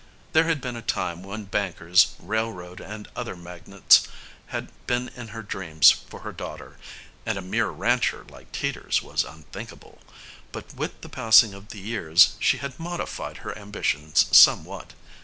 There had been a time when bankers, railroad and other magnates had been in her dreams for her daughter, and a mere rancher like Teeters was unthinkable, but with the passing of the years she had modified her ambitions somewhat.